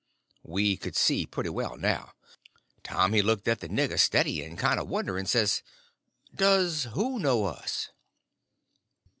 We could see pretty well now. Tom he looked at the nigger, steady and kind of wondering, and says: "Does who know us?"